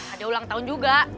ada ulang tahun juga